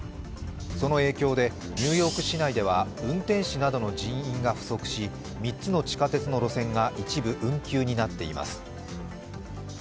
その影響でニューヨーク市内では運転士などの人員が不足し３つの地下鉄の路線が一部運休になっています。